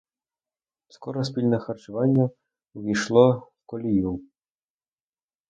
Скоро спільне харчування увійшло в колію.